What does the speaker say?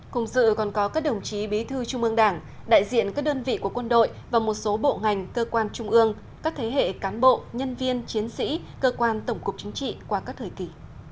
cùng dự còn có các đồng chí bí thư trung ương đảng đại diện các đơn vị của quân đội và một số bộ ngành cơ quan trung ương các thế hệ cán bộ nhân viên chiến sĩ cơ quan tổng cục chính trị qua các thời kỳ